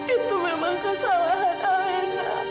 itu memang kesalahan alena